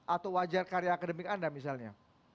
atau wajar karya akademik anda misalnya